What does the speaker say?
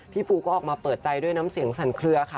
ปูก็ออกมาเปิดใจด้วยน้ำเสียงสั่นเคลือค่ะ